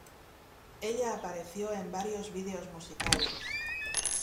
Ella apareció en varios videos musicales.